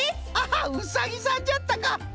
ハハッうさぎさんじゃったか！